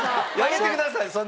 やめてください！